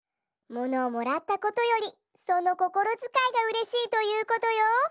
「ものをもらったことよりそのこころづかいがうれしい」ということよ。